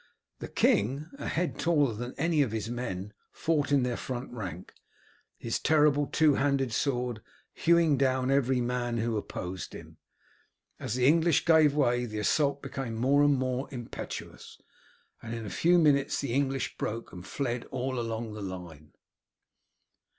The king, a head taller than any of his men, fought in their front rank, his terrible two handed sword hewing down every man who opposed him. As the English gave way the assault became more and more impetuous, and in a few minutes the English broke and fled all along the line.